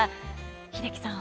英樹さん